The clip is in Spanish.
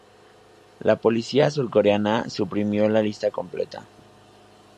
La policía surcoreana suprimió la lista completa.